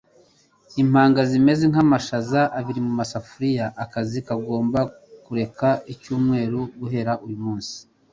Impanga zimeze nkamashaza abiri mumasafuriya. Akazi kagomba kureka icyumweru guhera uyu munsi.